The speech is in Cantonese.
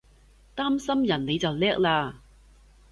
擔心人你就叻喇！